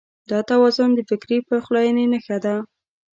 دا توازن د فکري پخلاينې نښه ده.